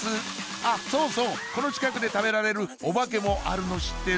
あっそうそうこの近くで食べられるおばけもあるの知ってる？